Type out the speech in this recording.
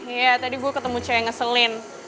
iya tadi gue ketemu caya ngeselin